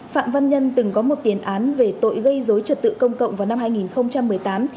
phạm văn nhân từng có một tiền án về tội gây dối trật tự công cộng vào năm hai nghìn một mươi tám